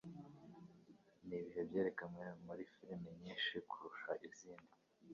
Nibihe Byerekanwe muri firime nyinshi kurusha izindi